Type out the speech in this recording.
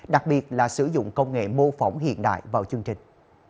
đặc biệt là sử dụng công nghệ mô phỏng hiện đại vào chương trình